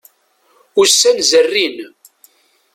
Ussan zerrin.